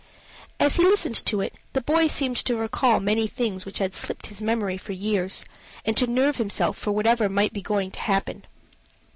As he listened to it the boy seemed to recall many things which had slipped his memory for years, and to nerve himself for whatever might be going to happen.